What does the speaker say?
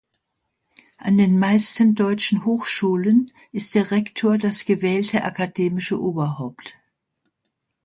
An den meisten deutschen Hochschulen ist der Rektor das gewählte akademische Oberhaupt.